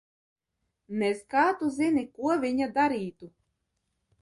Nez kā tu zini, ko viņa darītu?